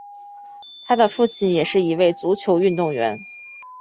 他的父亲也是一位足球运动员。